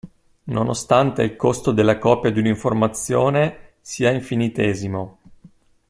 Nonostante il costo della copia di un'informazione sia infinitesimo.